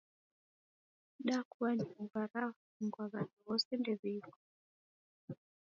Dakua nyumba rafungwa w'andu w'ose ndew'iko